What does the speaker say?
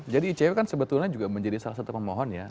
jadi icw kan sebetulnya juga menjadi salah satu pemohon ya